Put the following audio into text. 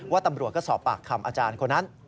ตำรวจก็สอบปากคำอาจารย์คนนั้น